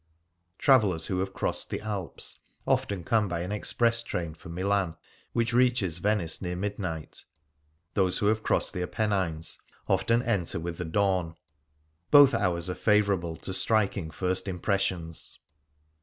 Travellers who have crossed the Alps often come by an express train from Milan, which reaches Venice near midnight ; those who have crossed the Apennines often enter with the dawn. Both hours are favourable to striking first impressions.